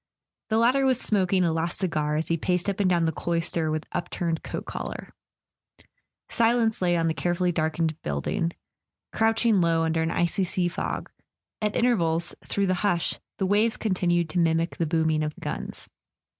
The latter was smoking a last cigar as he paced up and down the cloister with upturned coat collar. Silence lay on the carefully darkened building, crouching low under an icy sea fog; at intervals, through the hush, the waves continued to mimic the booming of the guns.